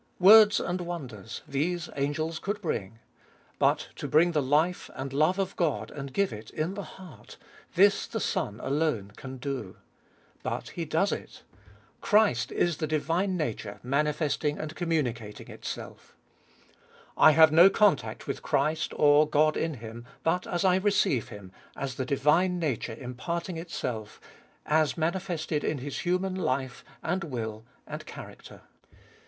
2. Words and wonders, these angels could bring. But to bring the life and the hue of God, and give it in the heart— this the Son alone can do. But He does it. Christ is the divine nature manifesting and communicating itself; I have no contact with Christ or God in Him, but as I receive Him, as the divine nature imparting itself, as manifested in His human life, and will, and character.